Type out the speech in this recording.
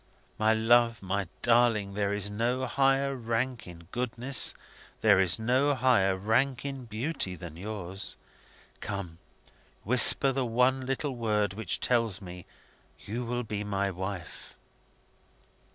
My love, my darling, there is no higher rank in goodness, there is no higher rank in beauty, than yours! Come! whisper the one little word which tells me you will be my wife!"